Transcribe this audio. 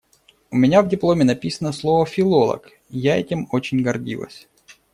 У меня в дипломе написано слово «филолог», я этим очень гордилась.